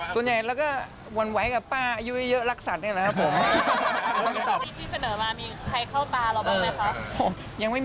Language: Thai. ส่วนใหญ่เราก็หวั่นไหวกับป้าอายุเยอะรักสัตว์นี่แหละครับผม